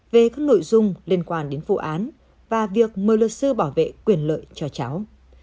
về các nội dung liên quan đến vụ án và việc mời luật sư bảo vệ quyền lợi cho cháu